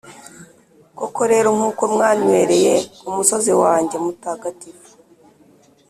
koko rero, nk’uko mwanywereye ku musozi wanjye mutagatifu,